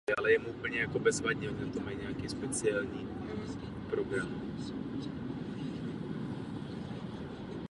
Naopak východně od této silnice se terén začíná zvedat.